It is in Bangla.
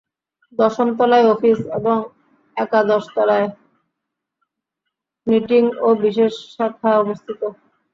দশম তলায় অফিস এবং একাদশ তলায় নিটিং ও বিশেষ শাখা অবস্থিত।